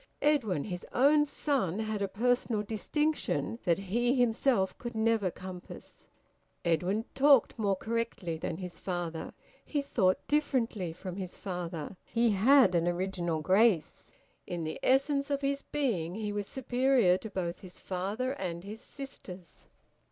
Edwin, his own son, had a personal distinction that he himself could never compass. Edwin talked more correctly than his father. He thought differently from his father. He had an original grace. In the essence of his being he was superior to both his father and his sisters.